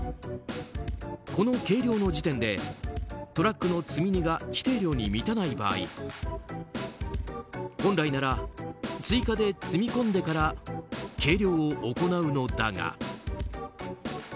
この軽量の時点でトラックの積み荷が規定量に満たない場合本来なら追加で積み込んでから計量を行うのだが。